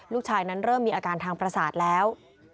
ลูกชายนั้นเริ่มมีอาการทางประสาทแล้ว